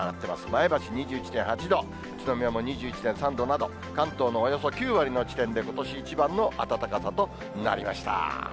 前橋２１．８度、宇都宮も２１．３度など、関東のおよそ９割の地点で、ことし一番の暖かさとなりました。